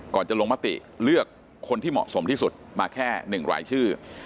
ก่อนจะลงมัตติเลือกคนที่เหมาะสมที่สุดมาแค่หนึ่งรายชื่อ